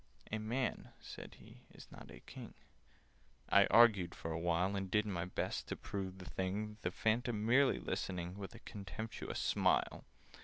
'" "A man," said he, "is not a King." I argued for a while, And did my best to prove the thing— The Phantom merely listening With a contemptuous smile.